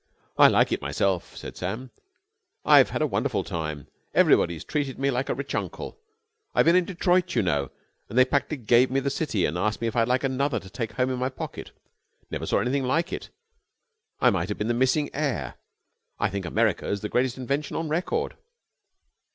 "I like it myself," said Sam. "I've had a wonderful time. Everybody's treated me like a rich uncle. I've been in Detroit, you know, and they practically gave me the city and asked me if I'd like another to take home in my pocket. Never saw anything like it. I might have been the missing heir. I think America's the greatest invention on record."